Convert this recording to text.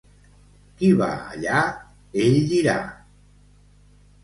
Qui va allà... ell dirà.